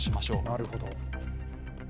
なるほど。